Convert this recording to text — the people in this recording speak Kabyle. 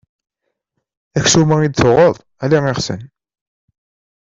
Aksum-a i d-tuɣeḍ ala iɣsan.